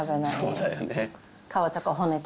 そうだよね。